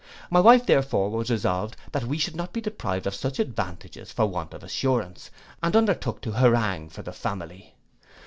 My wife therefore was resolved that we should not be deprived of such advantages for want of assurance, and undertook to harangue for the family.